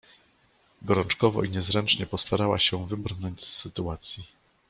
"Gorączkowo i niezręcznie postarała się wybrnąć z sytuacji."